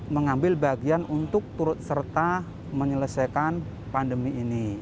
mengambil bagian untuk turut serta menyelesaikan pandemi ini